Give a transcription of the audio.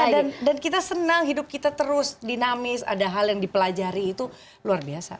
iya dan kita senang hidup kita terus dinamis ada hal yang dipelajari itu luar biasa